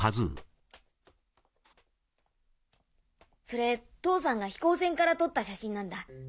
それ父さんが飛行船から撮った写真なんだ。